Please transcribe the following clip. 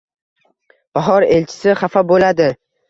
Bahor elchisi xafa boʻladi.